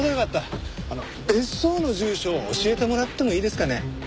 あの別荘の住所を教えてもらってもいいですかね？